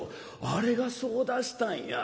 あれがそうだしたんや。